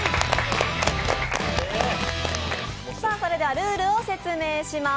ルールを説明します。